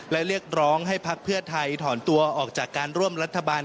และเรียกร้องให้พักเพื่อไทยถอนตัวออกจากการร่วมรัฐบาล